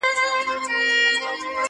دومره لوړ اسمان ته څوک نه وه ختلي.